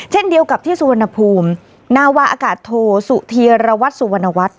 เช่นเดียวกับที่สุวรรณภูมินาวาอากาศโทสุธีรวัตรสุวรรณวัฒน์